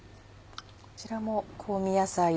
こちらも香味野菜